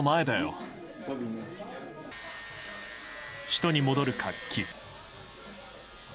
首都に戻る活気。